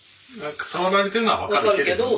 触られてるのは分かるけど。